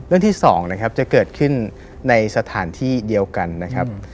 ที่๒นะครับจะเกิดขึ้นในสถานที่เดียวกันนะครับ